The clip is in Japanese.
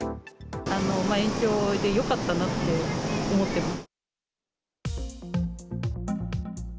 延長でよかったなって思ってます。